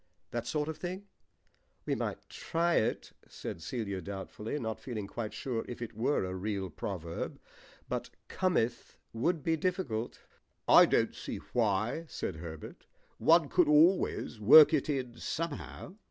That sort of thing." "We might try it," said Celia doubtfully, not feeling quite sure if it were a real proverb; "but 'cometh' would be difficult." "I don't see why," said Herbert. "One could always work it in somehow."